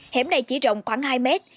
hẻm này chỉ rộng khoảng hai mét